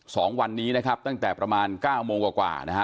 สองวันนี้นะครับตั้งแต่ประมาณเก้าโมงกว่ากว่านะฮะ